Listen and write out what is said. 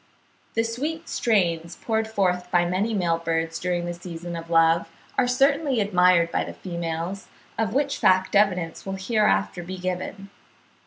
The sweet strains poured forth by many male birds during the season of love, are certainly admired by the females, of which fact evidence will hereafter be given.